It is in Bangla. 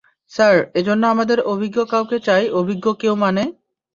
স্যার, এর জন্য আমাদের অভিজ্ঞ কাউকে চাই অভিজ্ঞ কেউ মানে?